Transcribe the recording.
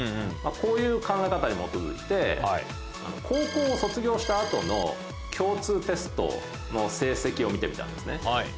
まぁこういう考え方に基づいて高校を卒業した後の共通テストの成績を見てみたんですね。